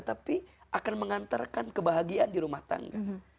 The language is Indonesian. tapi akan mengantarkan kebahagiaan di rumah tangga